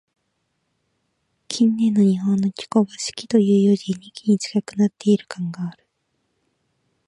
近年の日本の気候は、「四季」というよりも、「二季」に近くなっている感がある。